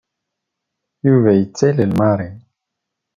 Yuba yettalel Mary.